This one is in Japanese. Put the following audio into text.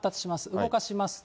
動かしますと。